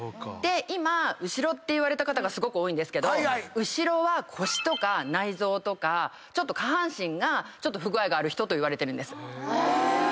今後ろって言われた方がすごく多いんですけど後ろは腰とか内臓とか下半身がちょっと不具合がある人といわれてるんです。